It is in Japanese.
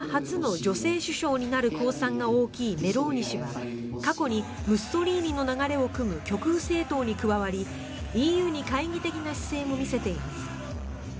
イタリア初の女性首相になる公算が大きいメローニ氏は過去にムッソリーニの流れをくむ極右政党に加わりＥＵに懐疑的な姿勢も見せています。